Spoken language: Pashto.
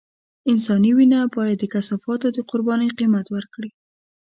انساني وينه بايد د کثافاتو د قربانۍ قيمت ورکړي.